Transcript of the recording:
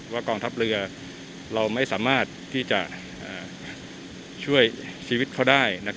กองทัพเรือเราไม่สามารถที่จะช่วยชีวิตเขาได้